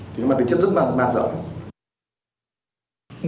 thì cái mà tính chất rất là mạng rộng